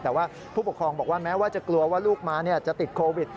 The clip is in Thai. แต่ว่าผู้ปกครองบอกว่าแม้ว่าจะกลัวว่าลูกมาจะติดโควิด